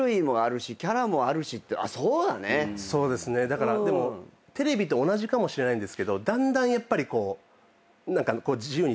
だからでもテレビと同じかもしれないんですけどだんだんやっぱり。